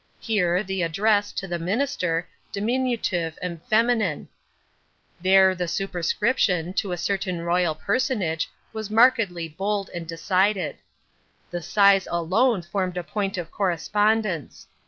Here, the address, to the Minister, diminutive and feminine; there the superscription, to a certain royal personage, was markedly bold and decided; the size alone formed a point of correspondence.